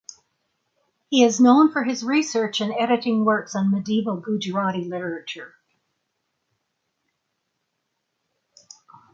He is known for his research and editing works on medieval Gujarati literature.